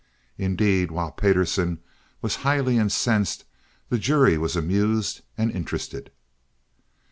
Indeed while Payderson was highly incensed, the jury was amused and interested.